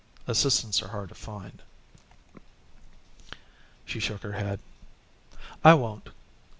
Assistants are hard to find." She shook her head. "I won't.